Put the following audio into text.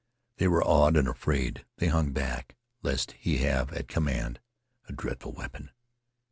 They were awed and afraid. They hung back lest he have at command a dreadful weapon.